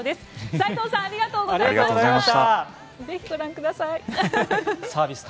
斎藤さんありがとうございました。